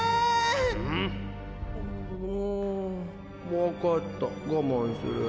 ん！む分かった我慢する。